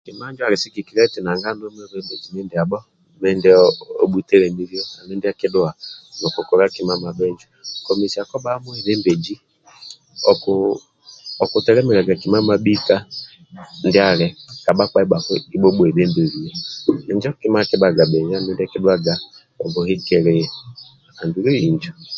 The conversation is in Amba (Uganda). Kima injo ali sigikilia eti nanga oli mwebembezi mindiabho mindia obhutelemilia okudhuwa nokukola kima mabhinjo komesia kobha mwebembeji okutelemiliaga kima mabhika ndiali ka bhakpa ndibhako ndibho obwebembelio injo kima akibhaga bhinjo andu ndia akidhuwaga obhuhikilia.